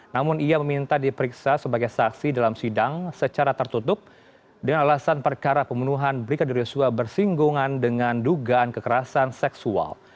namun ia meminta diperiksa sebagai saksi dalam sidang secara tertutup dengan alasan perkara pembunuhan brigadir yosua bersinggungan dengan dugaan kekerasan seksual